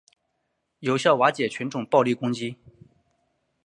有效瓦解群众暴力攻击